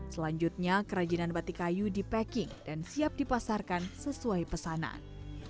selanjutnya kerajinan batik kayu dipacking dan siap dipasarkan sesuai pesanan